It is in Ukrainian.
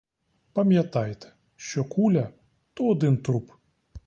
Пам'ятайте: що куля — то один труп.